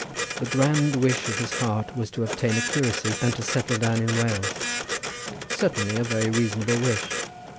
The grand wish of his heart was to obtain a curacy and to settle down in Wales. Certainly a very reasonable wish.